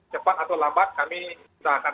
cepat atau lambat kami sudah akan